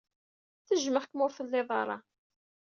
Tejjmeɣ-k mi ur tettilid da.